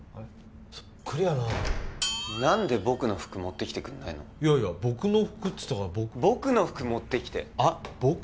そっくりやな何で僕の服持ってきてくんないの僕の服って言ったから僕の服持ってきて僕？